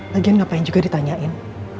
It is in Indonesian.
lagian gak payah juga ditanyain